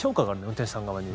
運転手さん側に。